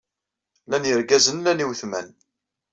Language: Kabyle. Llan yergazen llan iwetman.